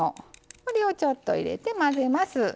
これをちょっと入れて混ぜます。